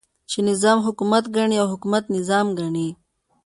چې نظام حکومت ګڼي او حکومت نظام ګڼي.